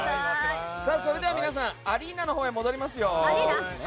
それでは皆さんアリーナのほうへ戻りますよ。